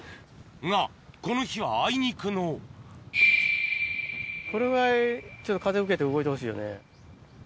がこの日はあいにくのこのぐらい風受けて動いてほしいよね。